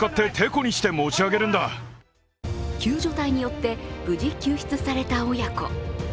救助隊によって無事救出された親子。